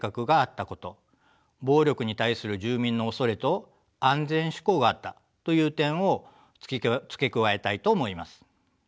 暴力に対する住民の恐れと安全志向があったという点を付け加えたいと思います。